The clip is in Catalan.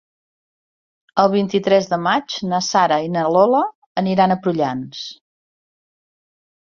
El vint-i-tres de maig na Sara i na Lola aniran a Prullans.